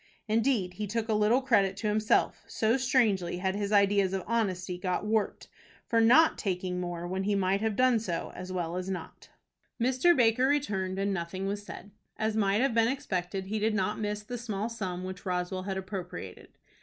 Indeed, he took a little credit to himself, so strangely had his ideas of honesty got warped, for not taking more when he might have done so as well as not. Mr. Baker returned, and nothing was said. As might have been expected, he did not miss the small sum which Roswell had appropriated.